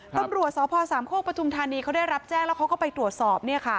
ตำรวจสพสามโคกปฐุมธานีเขาได้รับแจ้งแล้วเขาก็ไปตรวจสอบ